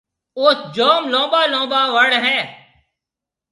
اوٿ جوم لُمٻا لُمٻا وڻ هيَ۔